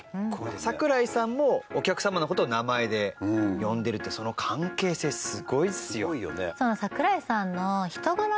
櫻井さんもお客様の事を名前で呼んでるってその関係性すごいっすよ。